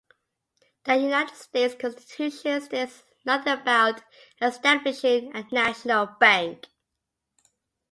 The United States Constitution says nothing about establishing a national bank.